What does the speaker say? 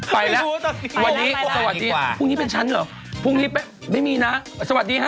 ไปแล้ววันนี้สวัสดีพรุ่งนี้เป็นฉันเหรอพรุ่งนี้ไม่มีนะสวัสดีฮะ